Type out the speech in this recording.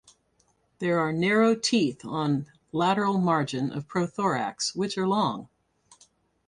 There are narrow teeth on lateral margin of prothorax which are long.